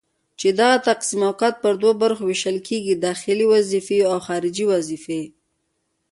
چي دغه تقسيمات پر دوو برخو ويشل کيږي:داخلي وظيفي او خارجي وظيفي